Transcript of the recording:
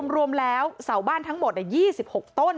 รวมแล้วเสาบ้านทั้งหมดยี่สิบหกต้น